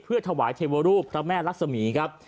เพื่อถวายเทวรูปพระแม่รักษมีธ์ครับ